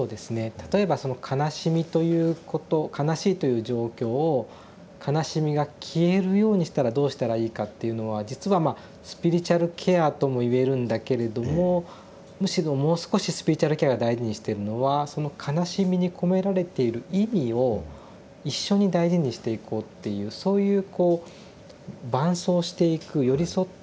例えばその悲しみということ悲しいという状況を悲しみが消えるようにしたらどうしたらいいかっていうのは実はまあスピリチュアルケアともいえるんだけれどもむしろもう少しスピリチュアルケアが大事にしてるのはその悲しみに込められている意味を一緒に大事にしていこうっていうそういうこう伴走していく寄り添一緒にですね